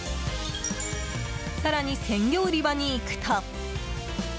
更に、鮮魚売り場に行くと。